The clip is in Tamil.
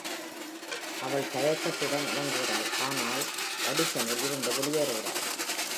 அவள் தயக்கத்துடன் இணங்குகிறாள், ஆனால் ஆடிஷனில் இருந்து வெளியேறுகிறாள்.